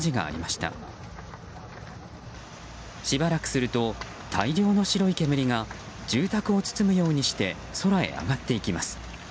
しばらくすると大量の白い煙が住宅を包むようにして空へ上がっていきます。